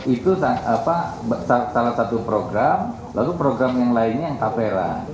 itu salah satu program lalu program yang lainnya yang tapera